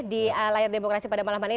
di layar demokrasi pada malam hari ini